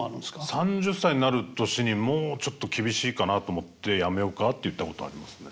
３０歳になる年にもうちょっと厳しいかなと思って「やめようか？」って言ったことありますね。